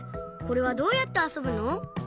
これはどうやってあそぶの？